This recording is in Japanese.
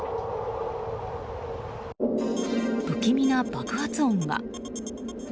不気味な爆発音が。